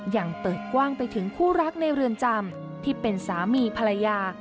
ยังเปิดกว้างไปถึงคู่รักในเรือนจำที่เป็นสามีภรรยา